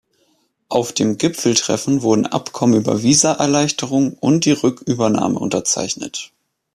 Auf dem Gipfeltreffen wurden Abkommen über Visaerleichterungen und die Rückübernahme unterzeichnet.